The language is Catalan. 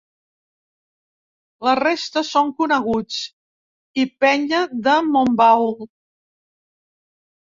La resta són coneguts i penya de Montbau.